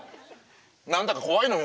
何だか怖いのよ。